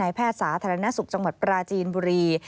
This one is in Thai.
แพทย์สาธารณสุขจังหวัดปราจีนบุรี